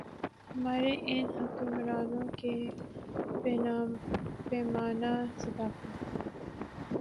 ہمارے ان حکمرانوں کے پیمانۂ صداقت۔